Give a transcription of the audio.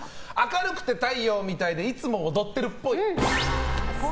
明るくて太陽みたいでいつも踊ってるっぽい。